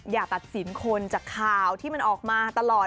อย่าตัดสินคนจากข่าวที่มันออกมาตลอด